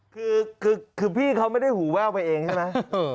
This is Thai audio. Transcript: คือพี่เขาไม่ได้หูแว่วไปเองใช่ไหม